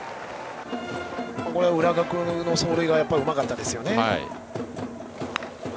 浦学の走塁がうまかったですよね。